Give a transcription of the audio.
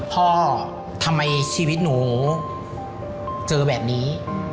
พ่อทำไมชีวิตหนูเจอแบบนี้